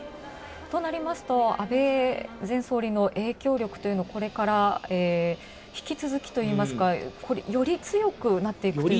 となりますと、安倍前総理の影響力というのはこれからも引き続きといいますかより強くなっているというふうに。